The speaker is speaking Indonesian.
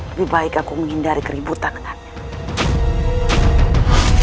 lebih baik aku menghindari keributan anaknya